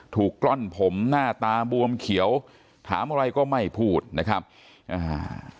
กล้อนผมหน้าตาบวมเขียวถามอะไรก็ไม่พูดนะครับอ่า